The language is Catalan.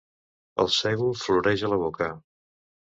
El sègol floreix a la boca.